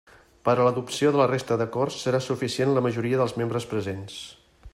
Per a l'adopció de la resta d'acords serà suficient la majoria dels membres presents.